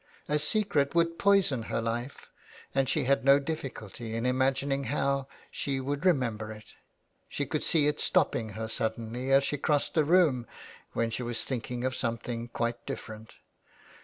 A secret would poison her life, and she had no difficulty in imagining how she would remember 359 THE WILD GOOSE. it ; she could see it stopping her suddenly as she crossed the room when she was thinking of some thing quite different.